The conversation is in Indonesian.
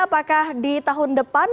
apakah di tahun depan